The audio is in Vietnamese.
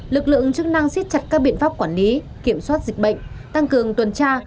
lực lượng chức năng xích chặt các biện pháp quản lý kiểm soát dịch bệnh tăng cường tuần tra